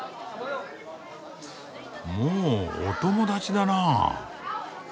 もうお友達だなあ。